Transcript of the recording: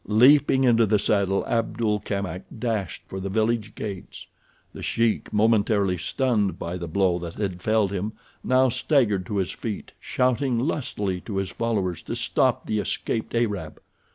Leaping into the saddle Abdul Kamak dashed for the village gates. The Sheik, momentarily stunned by the blow that had felled him, now staggered to his feet, shouting lustily to his followers to stop the escaped Arab.